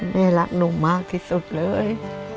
แม่รักหนูมากที่สุดเลย